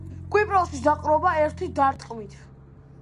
კვიპროსის დაპყრობა ერთი დარტყმით.